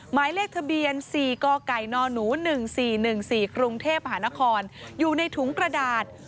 หมายเลขทะเบียน๔กกนหนู๑๔๑๔กรุงเทพฯหานครอยู่ในถุงกระดาษ